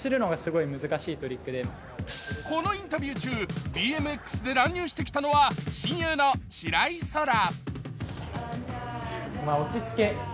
このインタビュー中、ＢＭＸで乱入してきたのは親友の白井空良。